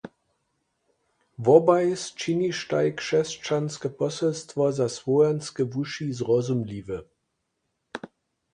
Wobaj sčiništaj křesćanske poselstwo za słowjanske wuši zrozumliwe.